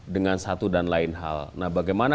dengan satu dan lain hal nah bagaimana